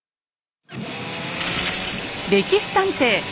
「歴史探偵」